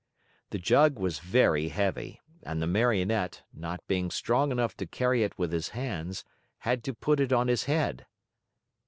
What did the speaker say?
The jug was very heavy, and the Marionette, not being strong enough to carry it with his hands, had to put it on his head.